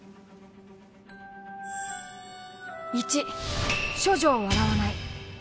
１処女を笑わない。